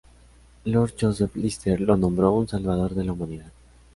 Lord Joseph Lister lo nombró "un salvador de la humanidad".